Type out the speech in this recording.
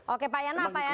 oke pak yana pak yana